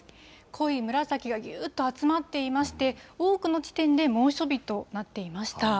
濃い紫がぎゅっと集まっていまして、多くの地点で猛暑日となっていました。